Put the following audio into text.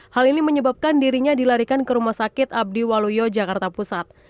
hal ini menyebabkan dirinya dilarikan ke rumah sakit abdi waluyo jakarta pusat